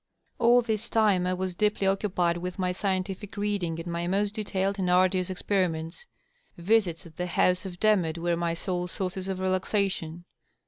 All this time I was deeply occupied with my scientific reading and my most detailed and arduous experiments. Visits at the house of Demotte were my sole sources of relaxation.